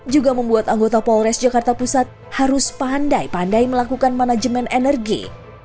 juga membuat anggota polres jakarta pusat harus pandai pandai melakukan manajemen energi